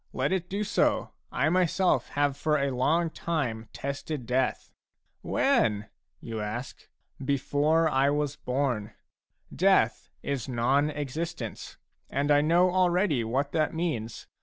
Let it do so ; I myself have for a long time tested death." " When ?" you ask. Before I was born. Death is non existence, and I know already what that means.